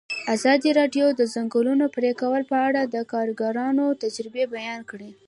ازادي راډیو د د ځنګلونو پرېکول په اړه د کارګرانو تجربې بیان کړي.